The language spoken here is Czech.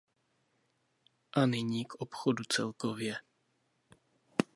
A nyní k obchodu celkově.